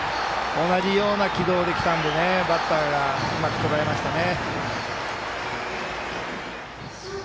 同じような軌道できたのでバッターがうまくとらえましたね。